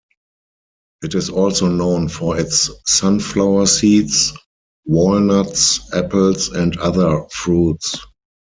It is also known for its sunflower seeds, walnuts, apples, and other fruits.